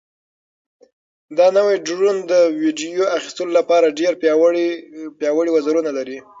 دا نوی ډرون د ویډیو اخیستلو لپاره ډېر پیاوړي وزرونه لري.